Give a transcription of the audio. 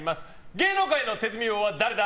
芸能界の手積み王は誰だ！？